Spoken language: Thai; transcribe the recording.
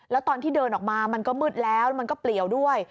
แล้วตอนที่เดินออกมามันก็มืดแล้วแล้วมันก็เปลี่ยวด้วย